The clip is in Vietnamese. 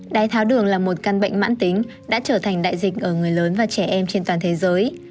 đái tháo đường là một căn bệnh mãn tính đã trở thành đại dịch ở người lớn và trẻ em trên toàn thế giới